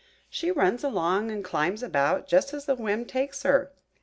She runs along and climbs about, just as the whim takes her.